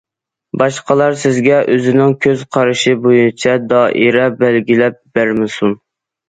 باشقىلار سىزگە ئۆزىنىڭ كۆز قارىشى بويىچە دائىرە بەلگىلەپ بەرمىسۇن.